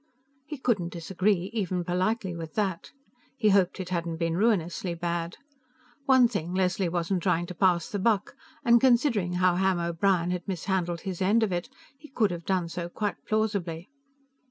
He couldn't disagree, even politely, with that. He hoped it hadn't been ruinously bad. One thing, Leslie wasn't trying to pass the buck, and considering how Ham O'Brien had mishandled his end of it, he could have done so quite plausibly.